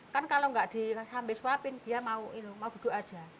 kan kalau gak disambe suapin dia mau duduk aja